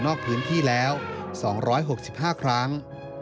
ออกพื้นที่แล้ว๒๖๕ครั้ง